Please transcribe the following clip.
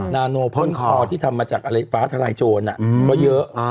นาโนพ่นคอที่ทำมาจากอะไรฟ้าทลายโจรก็เยอะ